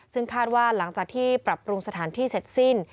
ซึ่งคาดว่าหลังจากที่ปรับปรุงสถานที่เสร็จสิ้น